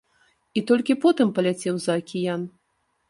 І толькі потым паляцеў за акіян.